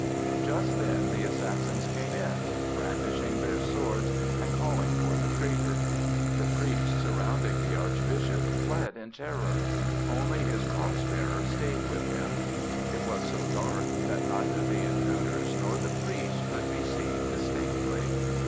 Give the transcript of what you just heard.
Just then the assassins came in, brandishing their swords and calling for the traitor. The priests surrounding the Archbishop fled in terror; only his cross bearer stayed with him. It was so dark that neither the intruders nor the priest could be seen distinctly.